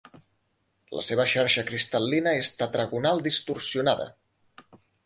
La seva xarxa cristal·lina és tetragonal distorsionada.